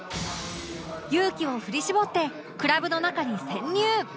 勇気を振り絞ってクラブの中に潜入